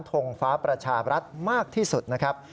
ทงฟ้าประชาบรัฐมากที่สุดนะครับ